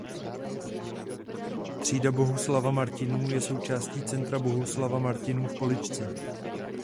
Třída Bohuslava Martinů je součástí Centra Bohuslava Martinů v Poličce.